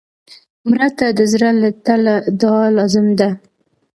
مړه ته د زړه له تله دعا لازم ده